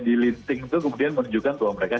dilinting itu kemudian menunjukkan bahwa mereka